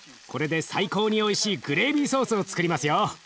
これで最高においしいグレービーソースをつくりますよ。